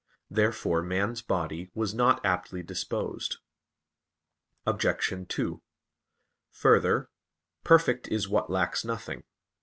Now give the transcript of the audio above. Therefore man's body was not aptly disposed. Obj. 2: Further, perfect is what lacks nothing.